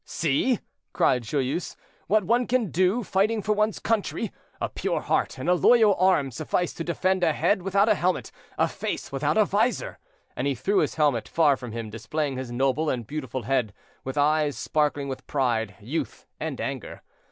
"See!" cried Joyeuse, "what one can do fighting for one's country! A pure heart and a loyal arm suffice to defend a head without a helmet, a face without a vizor;" and he threw his helmet far from him, displaying his noble and beautiful head, with eyes sparkling with pride, youth and anger.